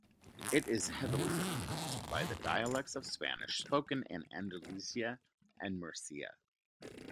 It is heavily influenced by the dialects of Spanish spoken in Andalusia and Murcia.